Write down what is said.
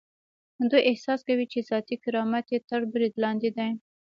دوی احساس کوي چې ذاتي کرامت یې تر برید لاندې دی.